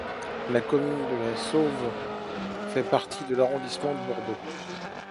La commune de La Sauve fait partie de l'arrondissement de Bordeaux.